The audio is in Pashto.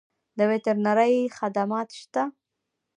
د وترنرۍ خدمات شته؟